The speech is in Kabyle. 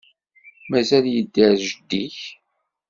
Mazal yedder jeddi-k?